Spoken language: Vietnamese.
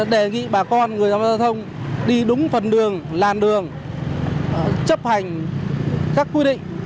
đề nghị bà con người tham gia giao thông đi đúng phần đường làn đường chấp hành các quy định